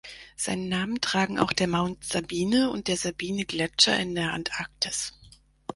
Seinen Namen tragen auch der Mount Sabine und der Sabine-Gletscher in der Antarktis.